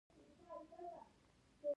ما باید دا لېوالتیا د ماشوم ذهن ته ورسولای